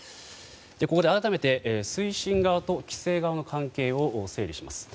ここで改めて、推進側と規制側の関係を整理します。